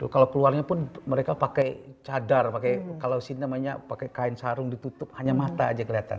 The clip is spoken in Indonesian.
kalau keluarnya pun mereka pakai cadar pakai kain sarung ditutup hanya mata saja kelihatan